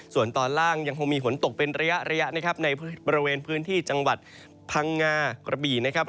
ส่วนตอนล่างยังคงมีฝนตกเป็นระยะระยะนะครับในบริเวณพื้นที่จังหวัดพังงากระบี่นะครับ